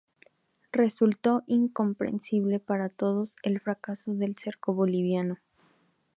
Resultó incomprensible para todos el fracaso del cerco boliviano.